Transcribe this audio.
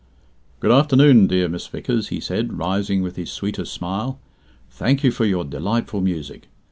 "Good afternoon, dear Miss Vickers," he said, rising with his sweetest smile. "Thank you for your delightful music.